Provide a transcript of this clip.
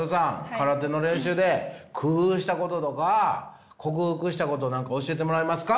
空手の練習で工夫したこととか克服したこと何か教えてもらえますか。